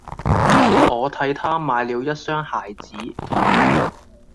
我替他買了一雙鞋子